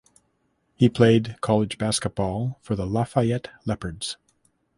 He played college basketball for the Lafayette Leopards.